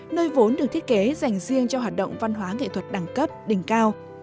nơi vốn được thiết kế dành riêng cho hoạt động văn hóa nghệ thuật đẳng cấp đỉnh cao